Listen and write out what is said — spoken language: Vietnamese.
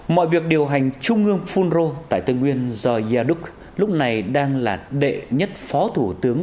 mọi việc điều hành trung ương phun rô tại tây nguyên do yaduk lúc này đang là đệ nhất phó thủ tướng